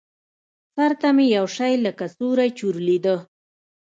سر ته مې يو شى لکه سيورى چورلېده.